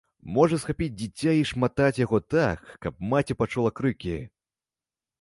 Можа схапіць дзіця і шматаць яго так, каб маці пачула крыкі.